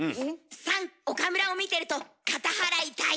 ３岡村を見てると片腹痛い。